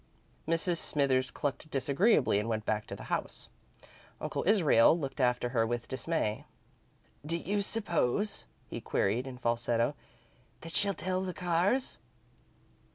Mrs. Smithers clucked disagreeably and went back to the house. Uncle Israel looked after her with dismay. "Do you suppose," he queried, in falsetto, "that she'll tell the Carrs?"